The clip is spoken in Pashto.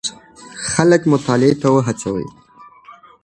خلک مطالعې ته وهڅوئ.